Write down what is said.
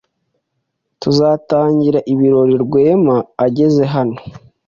Tuzatangira ibirori Rwema ageze hano.